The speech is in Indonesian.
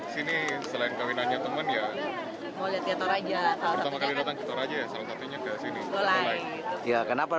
selain kawinannya teman ya pertama kali datang ke toraja ya salah satunya ke sini